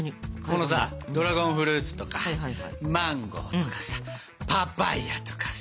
このさドラゴンフルーツとかマンゴ−とかさパパイアとかさ。